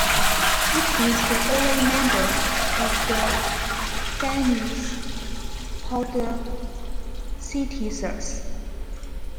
It is the only member of the genus "Podocytisus".